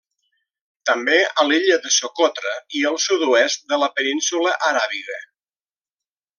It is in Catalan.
També a l'illa de Socotra i el sud-oest de la Península Aràbiga.